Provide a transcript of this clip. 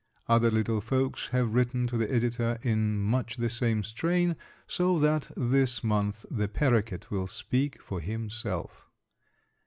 Other little folks have written to the editor in much the same strain, so that this month the paroquet will speak for himself.